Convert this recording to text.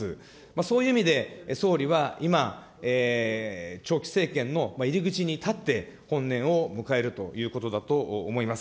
そういう意味で総理は今、長期政権の入り口に立って本年を迎えるということだと思います。